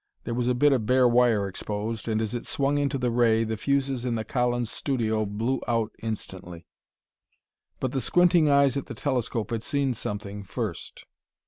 There was a bit of bare wire exposed, and as it swung into the ray the fuses in the Collins studio blew out instantly. But the squinting eyes at the telescope had seen something first.